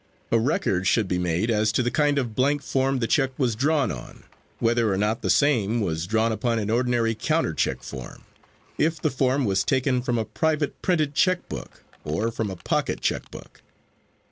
A record should be made as to the kind of blank form the check was drawn on, whether or not same was drawn upon an ordinary counter check form, if the form was taken from a private printed check book, or from a pocket check book.